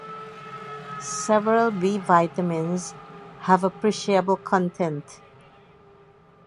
Several B vitamins have appreciable content.